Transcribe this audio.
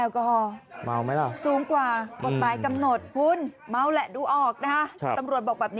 เย็นเย็นอ้าวเย็นอ้าวเย็นอ้าวเย็นอ้าวเย็นอ้าวเย็น